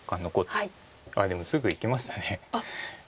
でもすぐいきました実戦。